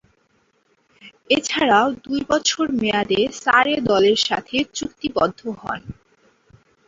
এছাড়াও দুই বছর মেয়াদে সারে দলের সাথে চুক্তিবদ্ধ হন।